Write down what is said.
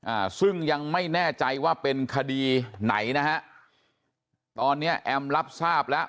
อ่าซึ่งยังไม่แน่ใจว่าเป็นคดีไหนนะฮะตอนเนี้ยแอมรับทราบแล้ว